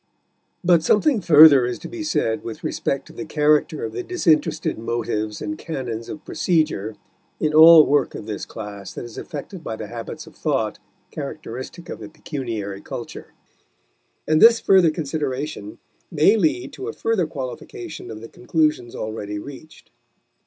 But something further is to be said with respect to the character of the disinterested motives and canons of procedure in all work of this class that is affected by the habits of thought characteristic of the pecuniary culture; and this further consideration may lead to a further qualification of the conclusions already reached.